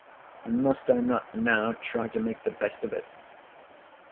—And must I not now try to make the best of it?